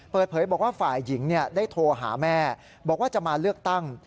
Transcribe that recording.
เปิดเผยบอกว่าฝ่ายหญิงได้โทรหาแม่บอกว่าจะมาเลือกตั้ง